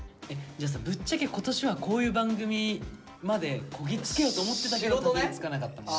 じゃあさぶっちゃけ今年はこういう番組までこぎつけようと思ってたけどこぎつかなかったみたいな。